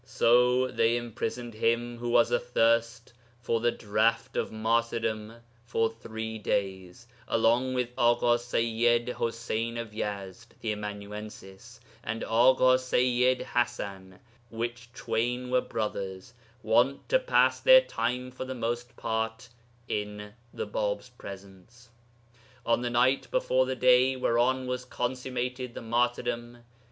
'So they imprisoned him who was athirst for the draught of martyrdom for three days, along with Aḳa Sayyid Ḥuseyn of Yezd, the amanuensis, and Aḳa Sayyid Ḥasan, which twain were brothers, wont to pass their time for the most part in the Bāb's presence.... 'On the night before the day whereon was consummated the martyrdom